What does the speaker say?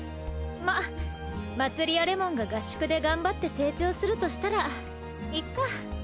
まあまつりやれもんが合宿で頑張って成長するとしたらいっか。